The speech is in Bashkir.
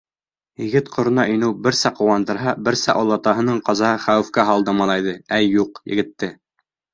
Егет ҡорона инеү берсә ҡыуандырһа, берсә олатаһының ҡазаһы хәүефкә һалды малайҙы, әй, юҡ, егетте.